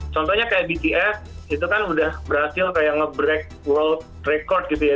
contohnya kayak bts itu kan udah berhasil kayak nge break world record gitu ya